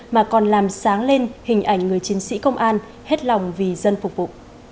mà còn làm sáng lên hình ảnh người chiến sĩ công an hết lòng vì dân phục vụ